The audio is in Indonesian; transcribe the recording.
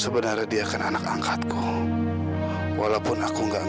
si makasih ini dihukumkan setinggi abu mungkin